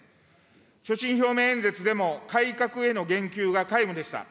所信表明演説でも改革への言及が皆無でした。